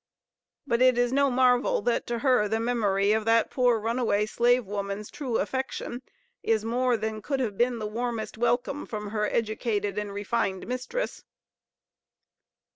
But it is no marvel that to her the memory of that poor runaway slave woman's true affection is more than could have been the warmest welcome from her educated and refined mistress.